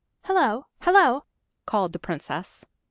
"Hello, hello," called the Princess.